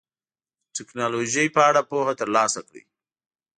د ټکنالوژۍ په اړه پوهه ترلاسه کړئ.